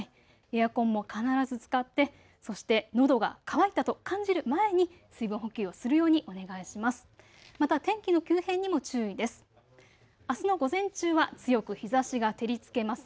エアコンも必ず使って、そしてのどが渇いたと感じる前に水分補給をするようにお願いします。